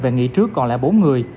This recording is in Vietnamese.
về nghỉ trước còn lại bốn người